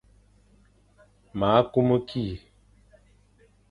Ma kumu ki.